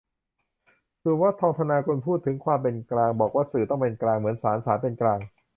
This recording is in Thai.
สุวัฒน์ ทองธนากุล พูดถึง ความเป็นกลาง บอกว่าสื่อต้องเป็นกลางเหมือนศาล ศาลเป็นกลาง